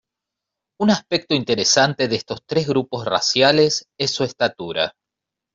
Un aspecto interesante de estos tres grupos raciales es su estatura.